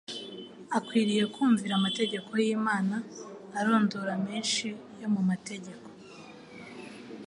akwiriye kumvira amategeko y'Imana; arondora menshi yo mu mategeko,